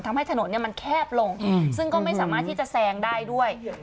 ทำให้ถนนมันแคบลงซึ่งก็ไม่สามารถที่จะแซงได้ด้วย